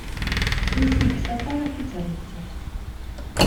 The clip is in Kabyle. Ansi yekkes aḍar a t-terr nettat.